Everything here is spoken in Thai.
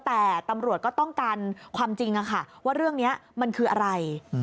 แต่ตำรวจก็ต้องกันความจริงว่าเรื่องนี้มันคืออะไร